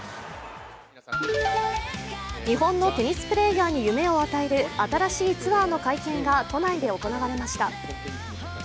日本のテニスプレーヤーに夢を与える新しいツアーの会見が都内で行われました。